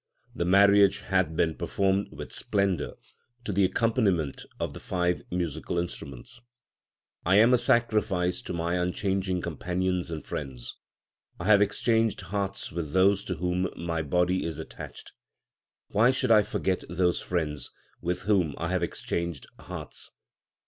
The marriage hath been performed with splendour to the accompaniment of the five musical instruments. 1 I am a sacrifice to my unchanging companions and friends. I have exchanged hearts with those to whom my body is attached. Why should I forget those friends with whom I have exchanged hearts